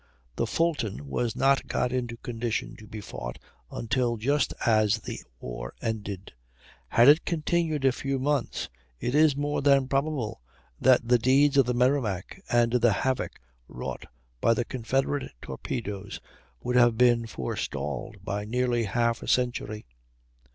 The Fulton was not got into condition to be fought until just as the war ended; had it continued a few months, it is more than probable that the deeds of the Merrimac and the havoc wrought by the Confederate torpedoes would have been forestalled by nearly half a century.